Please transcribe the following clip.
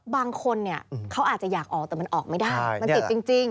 บางคนเนี่ยเขาอาจจะอยากออกแต่มันออกไม่ได้มันติดจริง